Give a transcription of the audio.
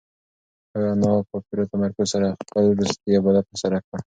انا په پوره تمرکز سره خپل وروستی عبادت ترسره کړ.